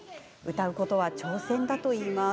歌うことは挑戦だといいます。